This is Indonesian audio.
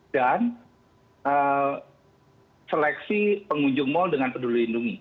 dan seleksi pengunjung mal dengan peduli lindungi